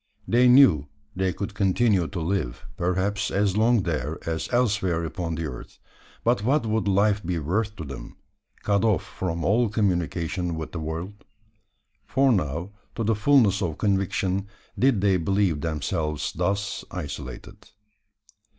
They knew they could continue to live, perhaps as long there, as elsewhere upon the earth; but what would life be worth to them, cut off from all communication with the world? for now, to the fulness of conviction, did they believe themselves thus isolated.